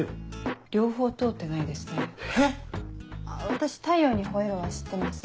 私『太陽にほえろ！』は知ってます。